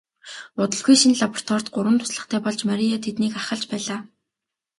Удалгүй шинэ лабораторид гурван туслахтай болж Мария тэднийг ахалж байлаа.